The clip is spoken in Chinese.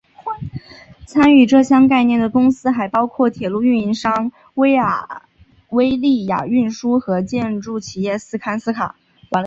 参与这项概念的公司还包括铁路运营商威立雅运输和建筑企业斯堪斯卡。